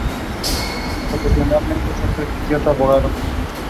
The explosion wounded six men and killed another.